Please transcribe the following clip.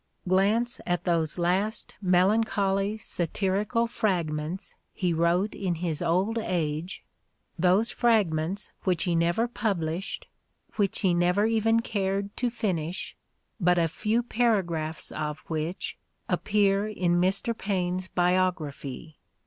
Glance at those last melancholy satirical fragments he wrote in his old age, those fragments which he never published, which he never even cared to finish, but a few paragraphs of which appear in Mr. Paine 's biog raphy.